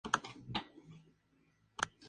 Todo indica que se trata de un suicidio.